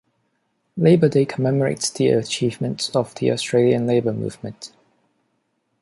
Labour Day commemorates the achievements of the Australian labour movement.